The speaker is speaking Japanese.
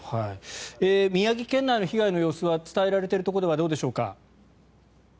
宮城県内の被害の様子は伝えられているところではどうでしょうか？